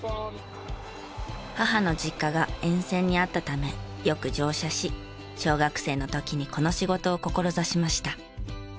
母の実家が沿線にあったためよく乗車し小学生の時にこの仕事を志しました。